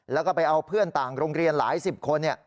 แล้วก็ไปเอาเพื่อนต่างโรงเรียนหลายสิบคน